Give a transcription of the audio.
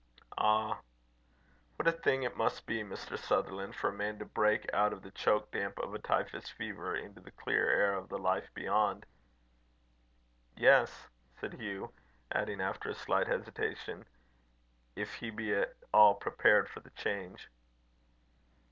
"Ah!" "What a thing it must be, Mr. Sutherland, for a man to break out of the choke damp of a typhus fever into the clear air of the life beyond!" "Yes," said Hugh; adding, after a slight hesitation, "if he be at all prepared for the change."